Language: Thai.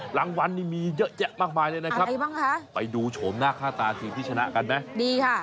รางวัลนี่มีเยอะแยะมากมายเลยนะครับไปดูโฉมหน้าค่าตาทีมที่ชนะกันไหมดีค่ะ